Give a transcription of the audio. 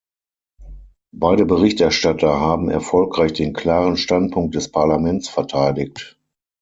Beide Berichterstatter haben erfolgreich den klaren Standpunkt des Parlaments verteidigt.